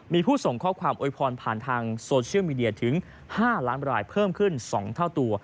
มีผู้ส่งข้อความโวยพรผ่านทางโซเชียลมีเดียถึง๕ล้านรายเพิ่มขึ้น๒เท่าตัว